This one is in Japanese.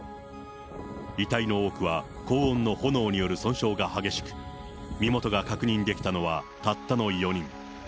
遺体の多くは高温の炎による損傷が激しく、身元が確認できたのはたったの４人。